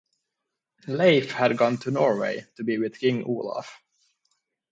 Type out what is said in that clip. Leif had gone to Norway to be with King Olaf.